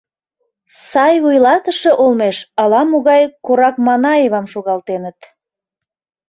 Сай вуйлатыше олмеш ала-могай Коракманаевам шогалтеныт.